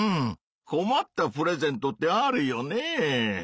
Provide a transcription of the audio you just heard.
こまったプレゼントってあるよねぇ。